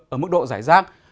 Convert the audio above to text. ở mức độ giải rác